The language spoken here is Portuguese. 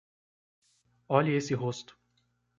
Olhe esse rosto.